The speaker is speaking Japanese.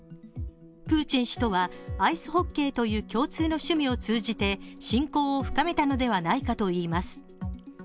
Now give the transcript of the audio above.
プーチン氏とは、アイスホッケーという共通の趣味を通じて親交を深めたのではないかと言われます。